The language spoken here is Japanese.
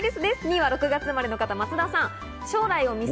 ２位は６月生まれの方、松田さん。